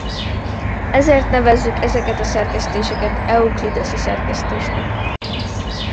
Ezért nevezzük ezeket a szerkesztéseket euklideszi szerkesztésnek.